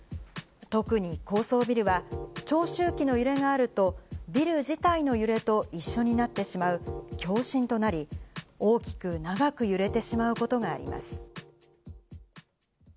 特に高層ビルは、長周期の揺れがあると、ビル自体の揺れと一緒になってしまう共振となり、大きく長く揺れてしまうことがあります。